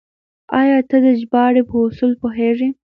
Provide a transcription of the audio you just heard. آيا ته د ژباړې په اصولو پوهېږې؟